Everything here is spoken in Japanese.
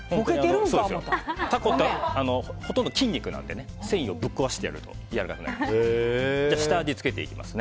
タコってほとんど筋肉なので繊維をぶっ壊してやるとやわらかくなります。